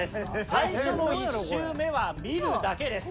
最初の１周目は見るだけです。